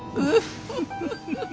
フフフフ！